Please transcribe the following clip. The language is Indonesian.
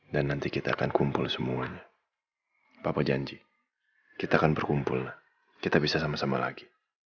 dan nanti kita akan kumpul semuanya papa janji kita akan berkumpul kita bisa sama sama lagi